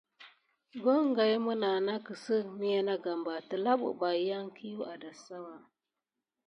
Kogan isa nà kisinek miya nà gambà, telā bebaye kia adesumku seya.